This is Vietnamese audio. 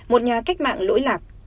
một nhà cách mạng lỗi lạc